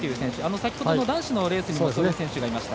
先ほどの男子のレースにもそういう選手がいました。